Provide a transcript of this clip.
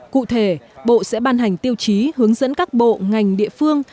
cụ thể bộ sẽ ban hành tiêu chí hướng dẫn các bộ ngành địa phương